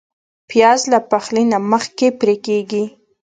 پیاز له پخلي نه مخکې پرې کېږي